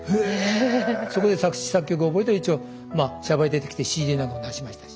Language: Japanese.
そこで作詞作曲覚えて一応シャバへ出てきてＣＤなんかも出しましたし。